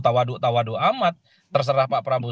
tawaduk tawado amat terserah pak prabowo